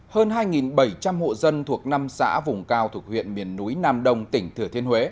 hơn hai bảy trăm linh hộ dân thuộc năm xã vùng cao thuộc huyện miền núi nam đông tỉnh thừa thiên huế